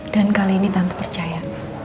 dan kali ini tante percaya